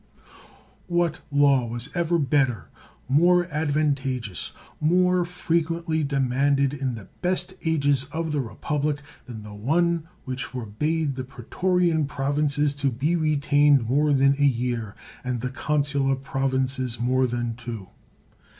What law was ever better, more advantageous, more frequently demanded in the best ages of the republic, than the one which forbade the pretorian provinces to be retained more than a year, and the consular provinces more than two?